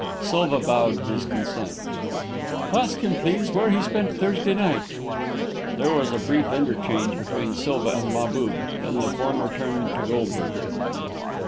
Silva bowed his consent. "Ask him, please, where he spent Thursday night." There was a brief interchange between Silva and Mahbub, then the former turned to Goldberger.